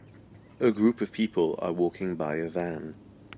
A group of people are walking by a van.